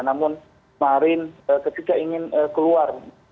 namun kemarin ketika ingin keluar